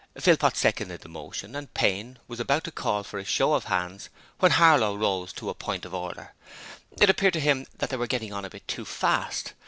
Philpot seconded the motion, and Payne was about to call for a show of hands when Harlow rose to a point of order. It appeared to him that they were getting on a bit too fast.